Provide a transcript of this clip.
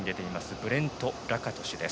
ブレント・ラカトシュです。